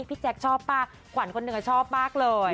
พี่แจ๊กชอบป่ะขวัญคนเหนือชอบมากเลย